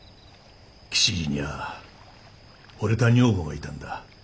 吉次には惚れた女房がいたんだ。